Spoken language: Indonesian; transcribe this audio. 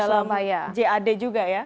apakah itu masuk dalam jad juga ya